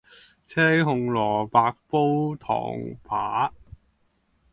青紅蘿蔔煲唐排